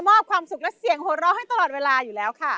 รอมอบความสุขและเสี่ยงโฮรอล์ให้ตลอดเวลาอยู่แล้วค่ะ